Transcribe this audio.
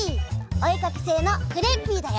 おえかきせいのクレッピーだよ！